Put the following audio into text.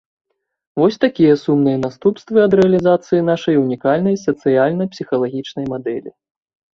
Вось такія сумныя наступствы ад рэалізацыі нашай унікальнай сацыяльна-псіхалагічнай мадэлі.